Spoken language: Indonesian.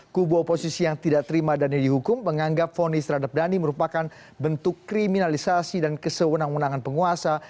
kubu oposisi yang tidak terima dhani dihukum menganggap fonis terhadap dhani merupakan bentuk kriminalisasi dan kesewenang wenangan penguasa